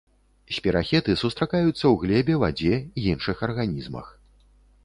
Спірахеты сустракаюцца ў глебе, вадзе, іншых арганізмах.